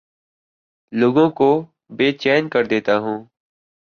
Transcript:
لوگوں کو بے چین کر دیتا ہوں